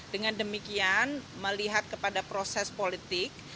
dengan demikian melihat kepada proses politik